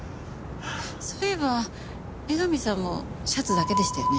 そういえば江上さんもシャツだけでしたよね。